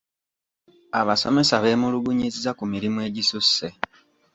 Abasomesa beemulugunyizza ku mirimu egisusse.